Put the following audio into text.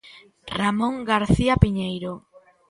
Ramón García Piñeiro.